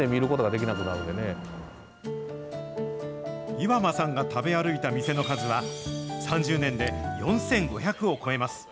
岩間さんが食べ歩いた店の数は、３０年で４５００を超えます。